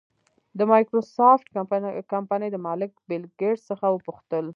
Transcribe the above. د مایکروسافټ کمپنۍ د مالک بېل ګېټس څخه وپوښتل.